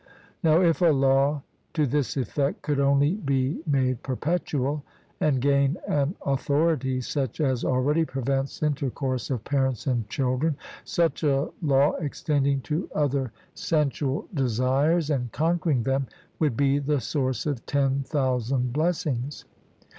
Now if a law to this effect could only be made perpetual, and gain an authority such as already prevents intercourse of parents and children such a law, extending to other sensual desires, and conquering them, would be the source of ten thousand blessings.